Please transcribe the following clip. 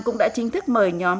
cũng đã chính thức mời nhóm